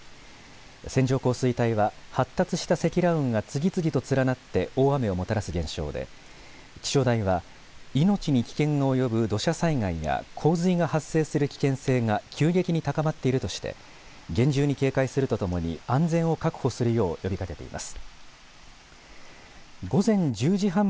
線状降水帯は発達した積乱雲が次々と連なって大雨をもたらす現象で気象台は命に危険が及ぶ土砂災害や洪水が発生する危険性が急激に高まっているとして厳重に警戒するとともに安全を確保するよう呼びかけています。